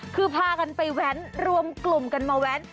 คือพากันไปแว้นรวมกลุ่มกันมาแว้น